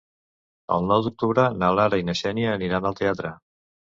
El nou d'octubre na Lara i na Xènia aniran al teatre.